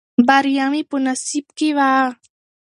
بریا مې په نصیب کې وه.